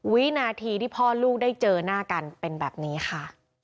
วินาทีที่พ่อลูกได้เจอหน้ากันเป็นแบบนี้ค่ะ